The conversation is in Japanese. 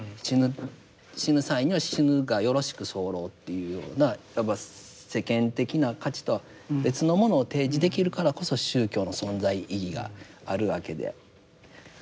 死ぬ際には死ぬがよろしく候というようなやっぱり世間的な価値とは別のものを提示できるからこそ宗教の存在意義があるわけであるんですが。